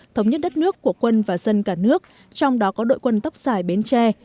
thống nhất đất nước của quân và dân cả nước trong đó có đội quân tóc dài bến tre